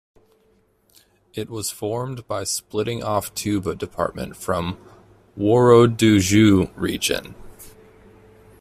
It was formed by splitting-off Touba Department from Worodougou Region.